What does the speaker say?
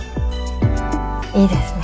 いいですね。